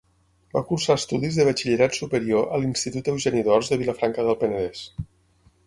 Va cursar estudis de batxillerat superior a l'Institut Eugeni d'Ors de Vilafranca del Penedès.